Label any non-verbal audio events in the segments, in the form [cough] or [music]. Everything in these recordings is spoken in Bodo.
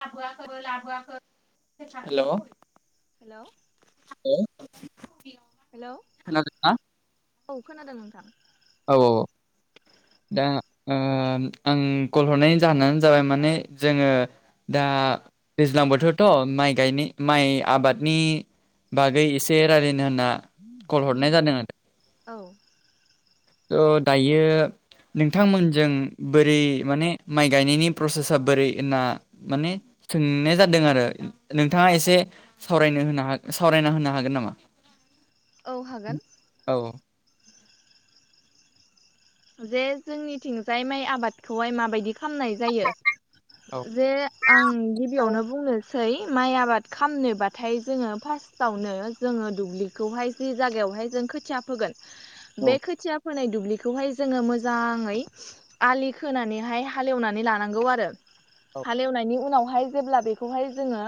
[unintelligible] हेल' हेलौ ओ [unintelligible] हेलौ औ खोनादों नोंथां। औ अ अ दा ओन आं कल हरनायनि जाहोनानो जाबाय माने जोङो दा दैज्लां बोथोरथ' माइ गायनाय माइ आबादनि बागै एसे रायलायनो होनना कल हरनाय जादों आरो। औ थ दायो नोंथांमोनजों बोरै माने माइ गायनायनि प्रसेसा बोरै होनना माने सोंनाय जादों आरो नोंथाङा एसे सावरायनो होनो हा सावरायना होनो हागोन नामा? औ हागोन। औ जे जोंनिथिंजाय माइ आबादखौहाय माबायदि ख खामनाय जायो औ जे आं गिबियावनो बुंनो सै माइ आबाद खामनोबाथाय जोङो फार्स्टआवनो जोङो दुब्लि खौहाय जि जागायावहाय जों खोथिया फोगोन औ बे खोथिया फोनाय दुब्लिखौहाय ज जोङो मोजाङै आलि खोनानैहाय हालेवनानै लानांगौ आरो औ हाल एवनायनि उनावहाय जेब्ला बेखौहाय जोङो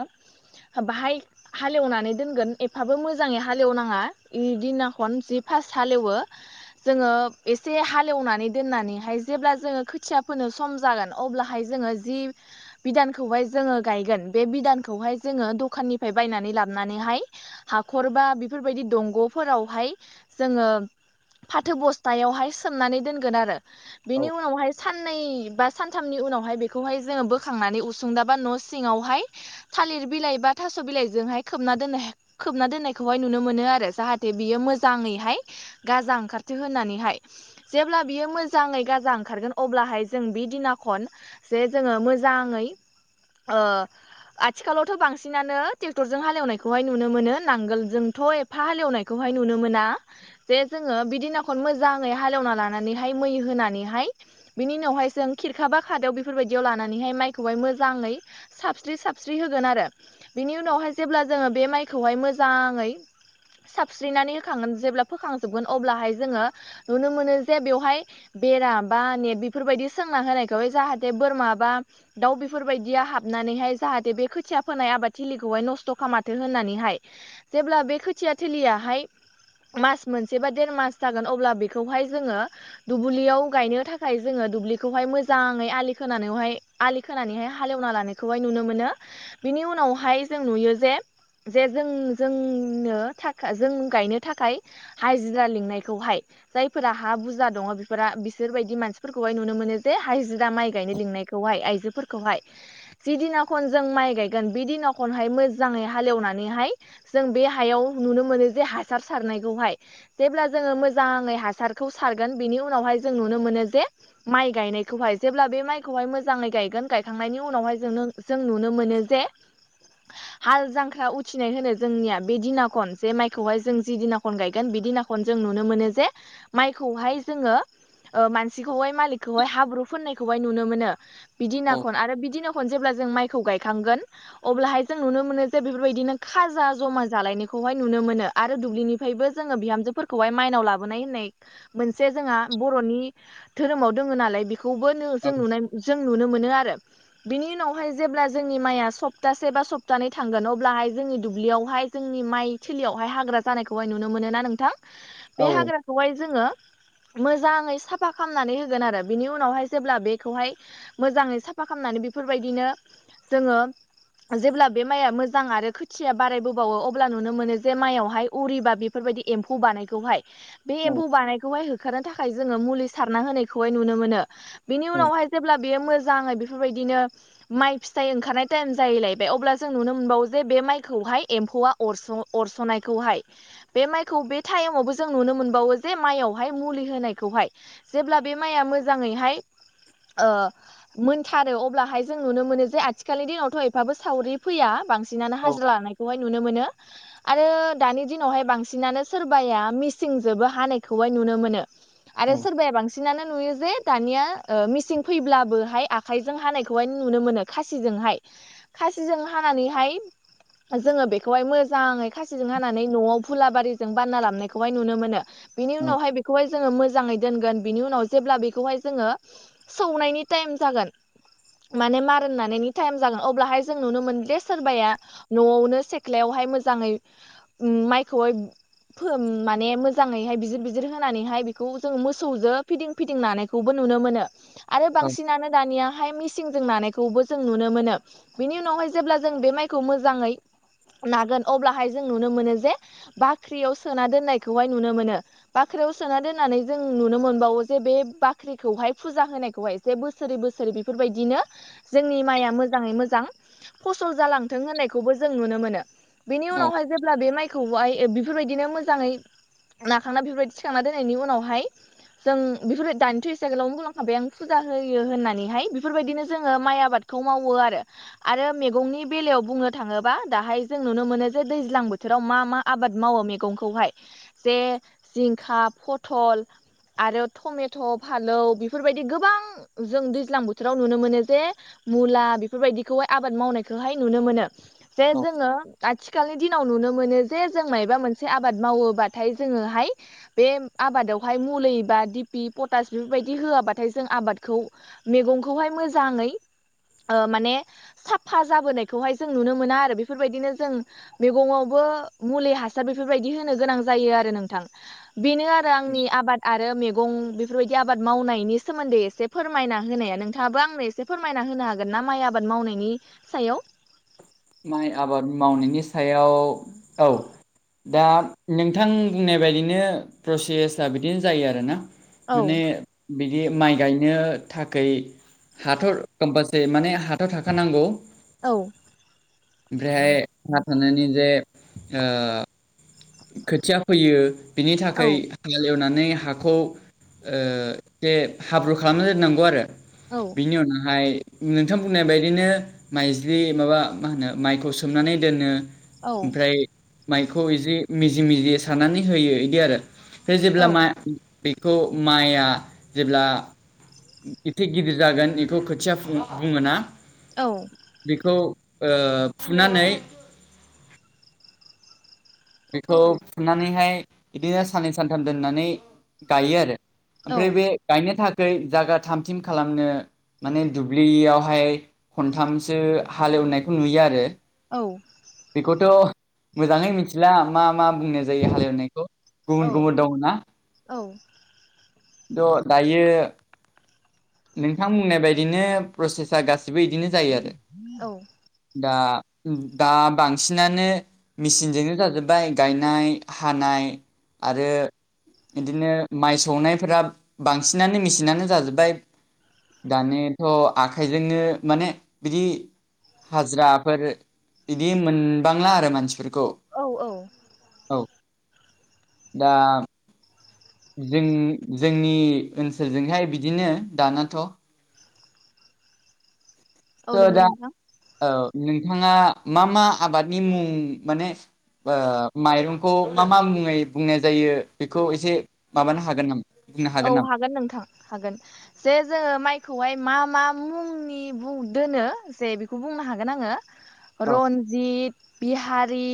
हो बाहाय हाल एवनानै दोनगोन एफाबो मोजाङै हाल एवनाङा इदिना खन जि फार्स्ट हाल एवो जोङो एस से हाल एवनानै दोननानैहाय जेब्ला जोङो खोथिया फोनो सम जागोन अब्लाहाय जोङो जि बिदानखौहाय जोङो गायगोन बे बिदानखौहाय जोङो दखाननिफाय बायनानै लाबनानैहाय हाखर बा बेफोरबायदि दंग'फोरावहाय जोङो फाथो बस्थायावहाय सोमनानै दोनगोन आरो औ बिनि उनावहाय साननै बास सानथामनि उनावहाय बेखौहाय जोङो बोखांनानै उसुंदाब बा न' सिङावहाय थालिर बिलाइ बा थास' बिलाइजोंहाय खोबना दोननो हो खोबना दोननायखौहाय नुनो मोनो आरो जाहाथे बियो मोजाङैहाय गाजा ओंखारथो होनानैहाय जेब्ला बियो मोजाङै गाजा ओंखारगोन अब्लाहाय जों बे दिना खन जे जोङो मोजाङै ओ आथिखालावथ' बांसिनानो ट्रेक्टरजों हालेवनायखौहाय नुनो मोनो नांगोलजोंथ' ए फा हाल एवनायखौहाय नुनो मोना जे जोङो बिदिनाखन मोज जाङै हाल एवना लानानैहाय मै होनानैहाय बिनि उनावहाय जों खिरखाबा खादायाव बेफोरबायदियाव लानानैहाय माइखौहाय मोजाङै साबस्रि साबस्रि होगोन आरो बिनि उनावहाय जेब्ला जोङो बे माइखौहाय मोजाङै साबस्रिनानै होखांगोन जेब्ला फोखांजोबगोन अब्लाहाय जोङो नुनो मोनो जे बेवहाय बेरा बा नेट बेफोरबायदि सोंना होनायखौहाय जाहाथे बोरमा बा दाउ बेफोरबायदिया हाबनानैहाय जाहाथे बे खोथिया फोनाय आबाद थिलिखौहाय नस्थ' खामाथो होननानैहाय जेब्ला बे खोथिया थिलियाहाय मास मोनसे बा देरमास जाग गोन अब्ला बेखौहाय जोङो दुबुलियाव गायनो थाखाय जोङो दुब्लिखौहाय मोजाङै आलि खोनानौहाय आलि खोनानैहाय हाल एवना लानायखौहाय नुनो मोनो बिनि उनावहाय जों नुयो जे जे जों जोंनो थाखा जों गायनो थाखाय हाजिरा लिंनाय खौहाय जायफोरा हा बुजा दङ बेफोरा बिसोरबायदि मानसिफोरखौहाय नुनो मोनो जे हाजिरा माइ गायनो लिंनायख खौहाय आइजोफोरखौहाय। जि दिनाखन जों माइ गायगोन बे दिनाखनहाय मोजाङै हालेवनानैहाय जों बे हायाव नुनो मोनो जे हासार सारनायखौहाय जेब्ला जोङो मोजाङै हासारखौ सारगोन बिनि उनावहाय जों नुनो मोनो जे। माइ गायनायखौहाय जेब्ला बे माइखौहाय मोजाङै गायगोन गायखांनायनि उनावहाय जों जों नुनो मोनो जे। [unintelligible] हाल जांख्रा उथिनाय होनो जोंनिया बे दिना खन जे माइखौहाय जों जि दिना खन गायगोन बे दिनान फन जों नुनो मोनो जे माइखौहाय जोङो मानसिखौहाय मालिकखौहाय हाब्रु फोननायखौहाय नुनो मोनो बिदिनाखौन औ आरो बिदिना खनजेब्ला जों माइखौ गायखांगोन। अब्लाहाय जों नुनो मोनो जे बेफोरबायदिनो खाजा जमा जालायनायखौहाय नुनो मोनो आरो दुब्लिनिफ्रायबो जोङो बिहामजोफोर खौहाय माइनाव लाबोनाय होननाय मोनसे जोंहा बर'नि धोरोमाव दोङ नालाय बेखौबो औ जों नुनाय जों नुनो मोनो आरो बिनि उनावहाय जेब्ला जोंनि माइया सप्तासे बा सप्तानै थांगोन अब्लाहाय जोंनि दुब्लियावहाय। जोंनि माइ थिलियावहाय हाग्रा जानायखौहाय नुनो मोनो ना नोंथां? बे हाग्राखौहाय जोङो मोजाङै साफा खालामनानै होगोन आरो बिनि उनावहाय जेब्ला बेखौहाय। मोजाङै साफा खालामनानै बेफोरबायदिनो जोङो जेब्ला बे माइआ मोजां आरो खोथिया बारायबोबावो अब्ला नुनो मोनो जे माइयावहाय उरिबा बेफोरबायदि एम् एम्फौ बानायखौहाय बे औ एम्फौ बानायखौहाय होखारनो थाखाय जोङो मुलि सारना होनायखौहाय नुनो मोनो। बिनि औ उनावहाय जेब्ला बेयो मोजाङै बेफोरबायदिनो माइ फिथाइ ओंखारनाय टाइम जायैलायबाय अब्ला जों नुनो मोनबावो जे बे माइखौहाय एम्फौआ। अरस अरसनायखौहाय बे माइखौ बे। टाइमावबो जों नुनो मोनबावो जे माइयावहाय मुलि होनायखौहाय। जेब्ला बे माइया मोजाङैहाय ओ मोनथारो अब्लाहाय जों नुनो मोनो जे आथिखालनि दिनावथ' एफाबो सावरि फैया बांसिनानो औ हाजिरा लानाय हाय नुनो मोनो आरो दानि दिनावहाय बांसिनानो सोरबाया मिसिं जोबो हानायखौहाय नुनो मोनो आरो सोरबाया बांसिन बांसिनानो नुयो जे दानिया मिसिं फैब्लाबोहाय आखाइजों हानायखौहाय नुनो मोनो खासिजोंहाय खासिजों हानानैहाय। जोङो बेखौहाय मोजाङै खासिजों हानानै न'आव भुलाबारि। जों बानना लामनायखौहाय नुनो मोनो बिनि औ उनावहाय बेखौहाय। जो मोजाङै दोनगोन बिनि उनाव जेब्ला बेखौहाय जोङो सौनायनि टाइम जागोन। माने मार होननानैनि टाइम जागोन अब्लाहाय जों नुनो मोन दे सोरबाया न'आवनो सेख्लायावहाय मोजाङै माइखौहाय माने मोजाङैहाय बिजिर बिजिर होनानैहाय बेखौ जोंङो मोसौजो फिदिं फिटिं लानायखौबो नुनो मोनो आरो औ बांसिनानो दानिया फाय मिसिंजों नानायखौबो जों नुनो मोनो बिनि उनावहाय जेब्ला जों बे माइखौ मोजाङै। नागोन अब्लाहाय जों नुनो मोनो जे बाख्रियाव सोना दोननायखौहाय नुनो मोनो। बाख्रियाव सोना दोननानै जों नुनो मोनबावो जे बे बाख्रिखौहाय फुजा होनायखौहाय। जे बोसोरै बोसोरै बेफोरबायदिनो जोंनि माइया मोजाङै मोजां। फसल जालांथों होननायखौबो जों नुनो मोनो बेनि औ उनावहाय जेब्ला बे माइखौहाय बेफोरबायदिनो मोजाङै नाखांना बेफोरबायदि थिखांना दोननायनि उनावहाय। जों बेफोर दानिथ' एसे गोलावनो बुंलांखांबाय आं फुजा होयो होननानैहाय बेफोरबायदिनो जोङो माइ आबाद। खौ मावो आरो। आरो मैगंनि बेलायाव बुंनो थाङोबा दाहाय जों नुनो मोनो जे दैज्लां बोथोराव मा मा आबाद। मावो मैगंखौहाय जे जिंखा फथल। आरो टमेट' फालौ बेफोरबायदि गोबां जों दैज्लां बोथोराव नुनो मोनो जे मुला बेफोरबायदिखौहाय आबाद मावनायखौहाय नुनो मोनो। जे औ जोङो आथिखालनि दिनाव नुनो मोनो जे जों मायबा मोनसे आबाद मावोबाथाय जोङो हाय बेम आबादावहाय मुलै बा दिपि पटास बेबायदि होआबाथाय जों आबादखौ मेगंखौहाय मोजाङै ओ माने साफा जाबोनायखौहाय जों नुनो मोना आरो बेफोरबायदिनो जों मेगङावबो मुलि हासार बेफोरबायदि होनो गोनां जायो आरो नोंथां। बेनो आरो आंनि आबाद आ ओ मेगं बेफोरबायदि आबाद मावनायनि सोमोन्दै एसे फोरमायना होनाया नोंथाङाबो आंनो एसे फोरमायना होनो हागोन ना माइ आबाद मावनायनि सायाव? माइ आबाद मावनायनि सायाव औ दा नोंथां बुंनाय बायदिनो प्रसेस आ बिदिनो जायो आरोना? औ माने बिदि माइ गायनो थाखै हाथर ओमबासे माने हाथाव थाखानांगौ औ ओमफ्रायहाय हा थानानै जे ओ खोथिया फैयो बिनि औ थाखाय हाल एवनानै हाखौ ओ जे हाब्रु खालामना दोननांगौ आरो औ बिनि उनावहाय नोंथां बुंनाय बायदिनो माइज्लि माबा मा होनो माइखौ सोमनानै दोनो। औ ओमफ्राय माइखौ इजि मिजि मिजि सारनानै होयो इदि आरो बे औ जेब्ला मा बेखौ माइआ जेब्ला इथि गिदिर जागोन इखौ खोथिया फुं बुङो ना? औ बेखौ ओ फुनानै बेखौ फुनानैहाय इदिनो साननै सानथाम दोननानै गायो आरो औ ओमफ्राय बे गायनो थाखै जागा थामथिम खालामनो माने दुब्लियावहाय खनथामसो हालेवनायखौ नुयो आरो। औ बेखौथ' मोजाङै मिनथिला मा - मा बुंनो जायो हालेवनायखौ गुबुन - गुबुन दं ना? औ द' दायो नोंथां बुंनाय बायदिनो प्रसेसा गासिबो इदिनो जायो आरो दा - दा बांसिनानो मेसिनजोंनो जाजोब्बाय गायनाय, हानाय आरो इदिनो माइ सौनायफोरा बांसिनानो मेसिनानो जाजोब्बाय दानिथ' आखाइजोंनो माने बिदि हाज्राफोर बिदि मोनबांला आरो मानसिफोरखौ औ औ औ दा जों-जोंनि ओनसोलजोंहाय बिदिनो दानाथ' औ ओ नंगौ दा नोंथां औ नोंथाङा मा - मा आबादनि मुं माने ओ माइरंखौ मा - मा मुङै बुंनाय जायो बेखौ एसे माबानो हागोन नामा? बुंनो औ नामा हागोन नोंथां हागोन। जे जोङो माइखौहाय मा - मा मुंनि बुं दोनो जे बिखौ बुंनो हागोन आङो। [unintelligible] रन्जित, बिहारि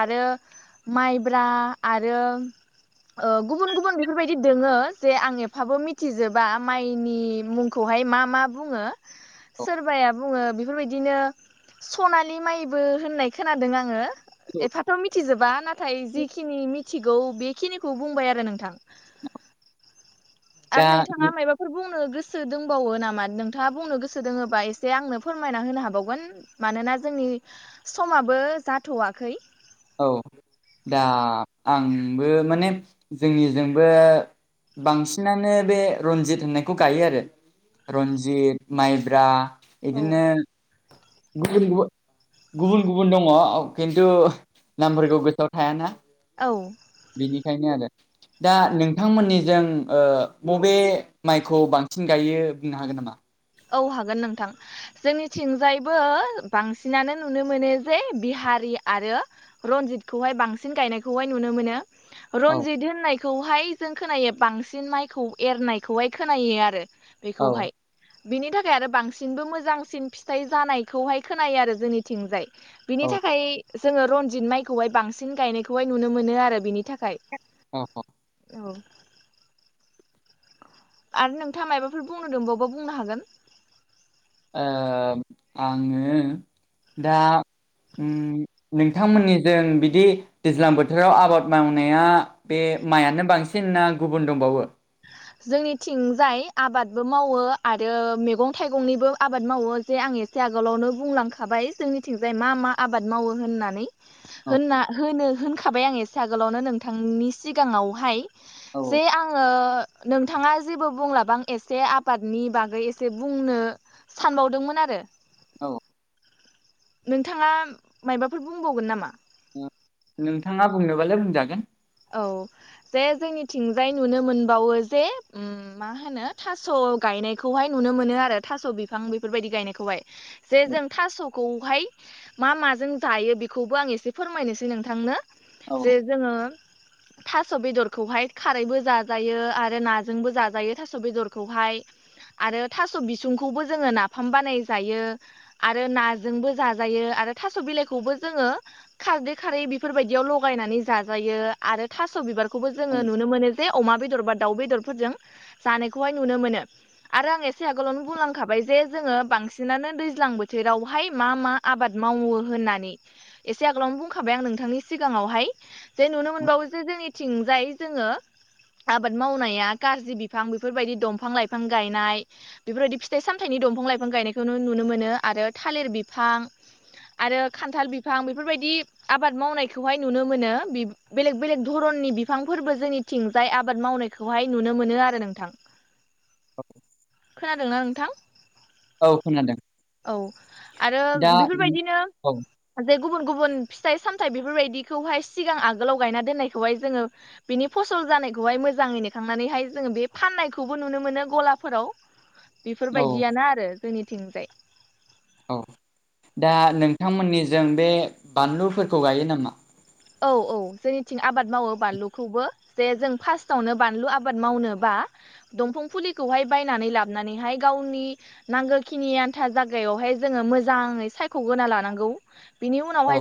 आरो माइब्रा आरो ओ गुबुन - गुबुन बेफोरबायदि दोङो जे आं एफाबो मिथिजोबा माइनि मुंखौहाय मा - मा बुङो औ सोरबाया बुङो बिफोरबायदिनो सनालि माइबो होननाय खोनादों आङो एफाथ' मिथिजोबा नाथाय जिखिनि मिथिगौ बेखिनिखौ बुंबाय आरो नोंथां। आरो दा नोंथाङा मायबा फोर बुंनो गोसो दोंबावो नामा नोंथाङा बुंनो गोसो दोङोबा एसे आंनो फोरमायना होनो हाबावगोन। मानोना जोंनि समाबो जाथ'वाखै। औ दा आंबो माने जोंनिजोंबो बांसिनानो बे रनजित होननायखौ गायो आरो। रनजित माइब्रा औ बिदिनो गुबुन गुबुन गुबुन गुबुन दङ किन्तु नामफोरखौ गोसोआव थायाना औ बेनिखायनो आरो दा नोंथांमोननिजों बबे माइखौ बांसिन गायो बुंनो हागोन नामा? औ हागोन नोंथां जोंनिथिंजायबो बांसिनानो नुनो मोनो जे बिहारि आरो रनजितखौहाय बांसिन गायनायखौहाय नुनो मोनो औ रनजित होननाय खौहाय जों खोनायो बांसिन माइखौ एरनायखौहाय खोनायो आरो औ बेखौहाय। बिनि थाखाय आरो बांसिनबो मोजांसिन फिथाइ जानायखौहाय खोनायो आरो जोंनिथिंजाय। औ बिनि थाखाय जोङो रनजित माइखौहाय बांसिन गायनायखौहाय नुनो मोनो आरो बिनि थाखाय। [unintelligible] औ आरो नोंथाङा मायबाफोर बुंनो दंबावबा बुंनो हागोन। आङो दा उम नोंथांमोननिजों बिदि दैज्लां बोथोराव आबाद मावनाया बे माइानो बांसिन ना गुबुन दंबावो? जोंनिथिंजाय आबादबो मावो आरो मैगं थाइगंनिबो आबाद मावो जे आं एसे एसे आगोलावनो बुंलांखाबाय जोंनिथिंजाय मा मा आबाद मावो होननानै। औ होनना होनो होनखाबाय आं एसे आगोलावनो नोंथांनि सिगाङावहाय। औ जे आङो नोंथाङा जेबो बुंलाबा आं एसे आबादनि बागै एसे बुंनो सानबावदोंमोन आरो। औ नोंथाङा माइबाफोर बुंबावगोन नामा? नोंथाङा बुंनोबालाय बुंजागोन। औ जे जोंनिथिंजाय नुनो मोनबावो जे मा होनो थास' गायनायखौहाय नुनो मोनो आरो थास' बिफां बेफोरबायदि गायनायखौहाय। जे औ जों थास'खौहाय मा माजों जायो बेखौबो आं एसे फोरमायनोसै नोंथांनो औ जे जोङो थास' बेदरखौहाय खारैबो जाजायो आरो नाजोंबो जाजायो थास' बेदरखौहाय आरो थास' बिसुंखौबो जोङो नाफाम बानाय जायो। आरो नाजोंबो जाजायो आरो थास' बिलाइखौबो जोङो खारदै खारै बेफोरबायदियाव लगायनानै जाजायो। आरो थास' बिबारखौबो औ जोङो नुनो मोनो जे अमा बेदर बा दाउ बेदरफोरजों जानायखौहाय नुनो मोनो। आरो आं एसे आगोलावनो बुंलांखाबाय जे जोङो बांसिनानो दैज्लां बोथोरावहाय मा मा आबाद मावो होननानै एसे आगोलावनो बुंखाबाय आं नोंथांनि सिगाङावहाय जे नुनो मो नबावो जो जोंनिथिंजाय जोङो आबाद मावनाया गाजि बिफां बेफोरबायदि दंफां लाइफां गायनाय बेफोरबायदि फिथाइ सामथायाइनि दंफां लाइफां गायनायखौ नुनो मोनो आरो थालिर बिफां आरो खान्थाल बिफां बेफोरबायदि आबाद मावनायखौहाय नुनो मोनो बि बेलेग बेलेग धरननि बिफांफोरबो जोंनिथिंजाय आबाद मावनायखौहाय नुनो मोनो आरो नोंथां। [inaudible] खोनादोंना नोंथां? औ खोनादों औ आरो दा बेफोरबायदिनो औ जे गुबुन गुबुन फिथाइ सामथाइ बेफोरबायदिखौहाय सिगां आगोलाव गायना दोननायखौहाय जोङो बेनि फसल जानायखौहाय मोजाङै नेखांनानैहाय जोङो बे फाननायखौबो नुनो मोनो गलाफोराव [inaudible] बेफोर औ बायदियानो आरो जोंनिथिंजाय। औ, दा नोंथांमोननिजों बे बानलुफोरखौ गायो नामा? औ औ जोंनिथिं आबाद मावो बानलुखौबो। जे जों फार्स्टआवनो बानलु आबाद मावनोबा दंफां फुलिखौहाय बायनानै लाबनानैहाय गावनि नांगो खिनि आन्था जागायावहाय जोङो मोजाङै सायख'ग्रोना लानांगौ। बेनि औ उनावहाय